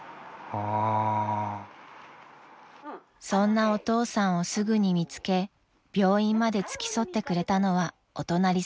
［そんなお父さんをすぐに見つけ病院まで付き添ってくれたのはお隣さんです］